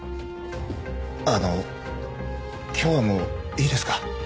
あの今日はもういいですか？